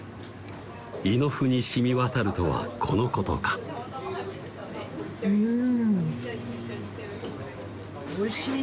胃の腑に染み渡るとはこのことかうん